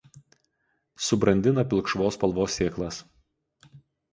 Subrandina pilkšvos spalvos sėklas.